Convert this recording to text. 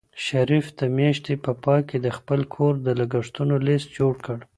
شریف د میاشتې په پای کې د خپل کور د لګښتونو لیست جوړ کړ.